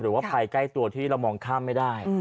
หรือว่าภัยใกล้ตัวที่เรามองข้ามไม่ได้